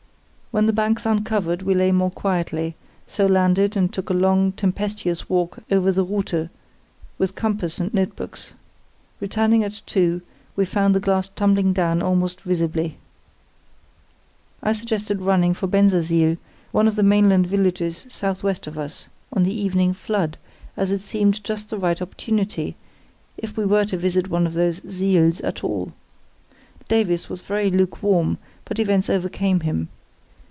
"When the banks uncovered we lay more quietly, so landed and took a long, tempestuous walk over the Rute, with compass and notebooks. Returning at two, we found the glass tumbling down almost visibly. "I suggested running for Bensersiel, one of the mainland villages south west of us, on the evening flood, as it seemed just the right opportunity, if we were to visit one of those 'siels' at all. Davies was very lukewarm, but events overcame him.